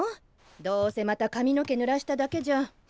どうせまたかみの毛ぬらしただけじゃ。